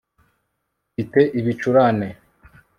Mfite ibicurane